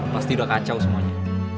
pasti udah kacau semuanya